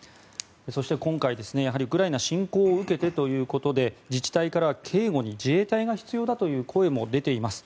そして今回、ウクライナ侵攻を受けてということで自治体からは警護に自衛隊が必要だという声も出ています。